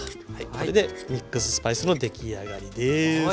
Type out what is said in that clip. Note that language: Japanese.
これでミックススパイスの出来上がりです。